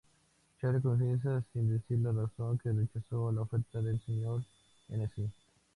Charlie confiesa, sin decir la razón, que rechazó la oferta del Sr Hennessy.